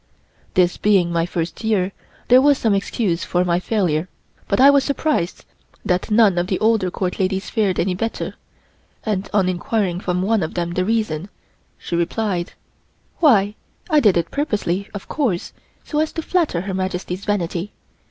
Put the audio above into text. This being my first year, there was some excuse for my failure, but I was surprised that none of the older Court ladies fared any better, and on inquiring from one of them the reason, she replied: "Why, I did it purposely, of course, so as to flatter Her Majesty's vanity.